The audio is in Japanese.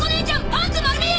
パンツ丸見え！